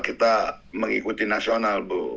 kita mengikuti nasional bu